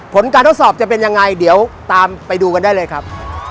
ผลการทดสอบจะเป็นยังไงเดี๋ยวตามไปดูกันได้เลยครับ